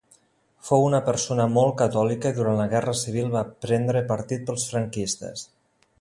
Fou una persona molt catòlica i durant la Guerra Civil va prendre partit pels franquistes.